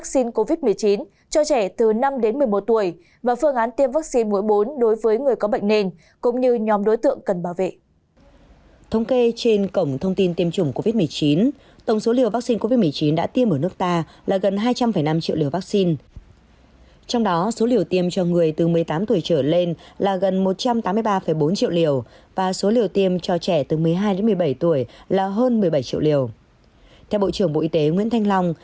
theo bộ trưởng bộ y tế nguyễn thanh long